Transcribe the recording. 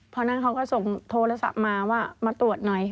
พอนั้นเขาก็ส่งโทรศัพท์มาว่ามาตรวจหน่อย